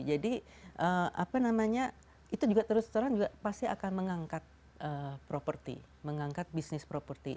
jadi apa namanya itu juga terus terang juga pasti akan mengangkat property mengangkat bisnis property